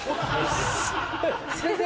先生！